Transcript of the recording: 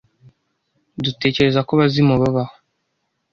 Dutekereza ko abazimu babaho.